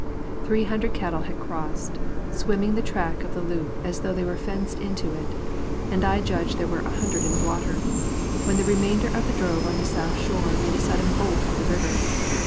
Three hundred cattle had crossed, swimming the track of the loop as though they were fenced into it, and I judge there were a hundred in the water, when the remainder of the drove on the south shore made a sudden bolt for the river.